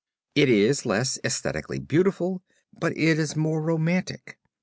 It is less esthetically beautiful but it is more romantic.